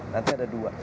nanti ada dua